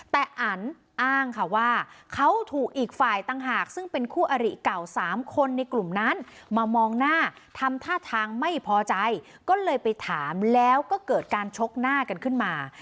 แต่อันอ้างค่ะว่าเขาถูกอีกฝ่ายต่างหากซึ่งเป็นคู่อริเก่า๓คนในกลุ่มนั้นมามองหน้าทำท่าทางไม่พอใจก็เลยไปถามแล้วก็เกิดการชกหน้ากันขึ้นมา